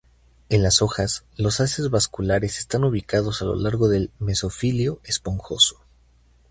En las hojas, los haces vasculares están ubicados a lo largo del mesófilo esponjoso.